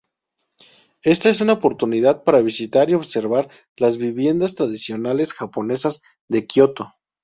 Esta es una oportunidad para visitar y observar las viviendas tradicionales japonesas de Kioto.